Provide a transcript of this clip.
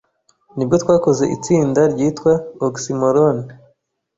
ni bwo twakoze itsinda ryitwa "Oxymoron